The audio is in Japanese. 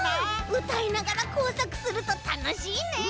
うたいながらこうさくするとたのしいね。